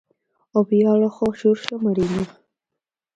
O biólogo Xurxo Mariño.